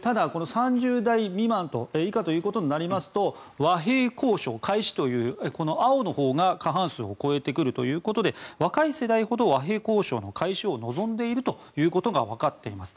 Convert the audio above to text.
ただ、３０代以下ということになりますと和平交渉開始という青のほうが過半数を超えてくるということで若い世代ほど和平交渉の開始を望んでいるということがわかっています。